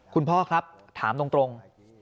คุณพ่อครับถามตรง